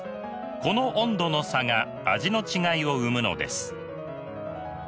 この温度の差が味の違いを生むのです。